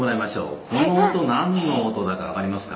この音何の音だか分かりますか？